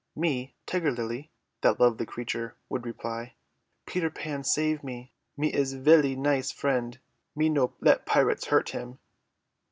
"Me Tiger Lily," that lovely creature would reply. "Peter Pan save me, me his velly nice friend. Me no let pirates hurt him."